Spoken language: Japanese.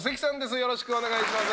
よろしくお願いします。